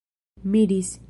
miris